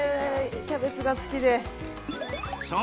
キャベツが好きで。